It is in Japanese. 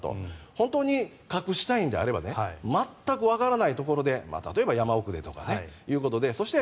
本当に隠したいのであれば全くわからないところで例えば山奥でとかそういうことでそして